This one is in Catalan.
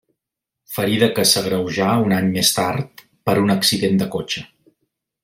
Ferida que s'agreujà un any més tard per un accident de cotxe.